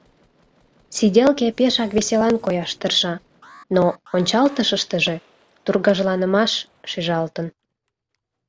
Сиделке пешак веселан кояш тырша, но ончалтышыштыже тургыжланымаш шижалтын.